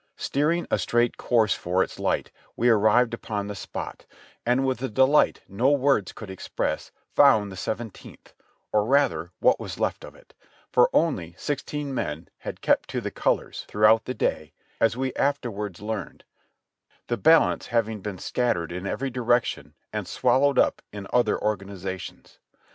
Steering a straight course for its light we arrived upon the spot, and with a delight no words could express, found the Seventeenth, or rather what was left of it, for only sixteen men had kept to the colors throughout the day, as we afterwards learned, the balance having been scattered in every direction and swallowed up in other organizations.